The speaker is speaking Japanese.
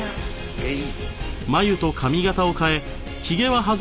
へい。